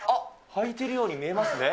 はいているように見えますね。